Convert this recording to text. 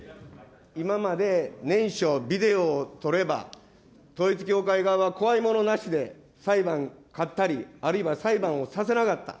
今まで念書、ビデオを撮れば統一教会側は怖いものなしで裁判勝ったり、あるいは裁判をさせなかった。